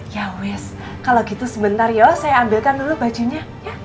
ya wes kalau gitu sebentar ya oh saya ambilkan dulu bajunya